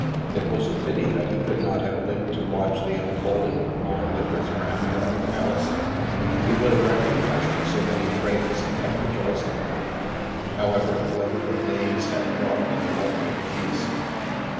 It was a pity that he could not have lived to watch the unfolding of the mind of his granddaughter, Alison. He would have recognized so many traits and have rejoiced in them. However, length of days had brought him ultimate peace.